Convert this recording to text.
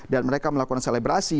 dan mereka melakukan selebrasi